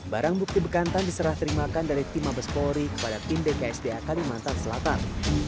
barang bukti bekantan diserah terimakan dari tim mabes polri kepada tim bksda kalimantan selatan